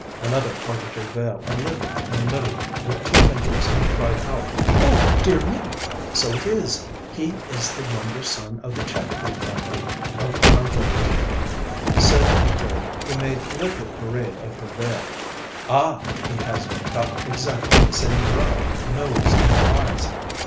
Another parted her veil a little in the middle with two fingers and cried out: 'Oh dear me! So it is! He is the younger son of the Chattergu family of our village!' Said a third, who made little parade of her veil: 'Ah! he has got exactly the same brow, nose, and eyes!'